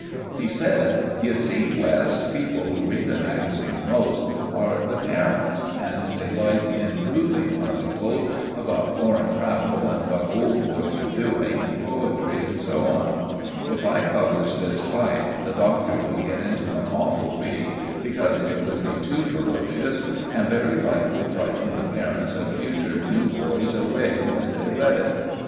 He said— "You see, West, the people who read the magazine most are the parents, and they like improving articles about foreign travel and what old boys are doing, and poetry, and so on. If I published this fight, the Doctor would get into an awful bate, because it would be too ferocious, and very likely frighten the parents of future new boys away when they read it."